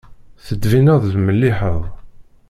Tettbineḍ-d melliḥeḍ.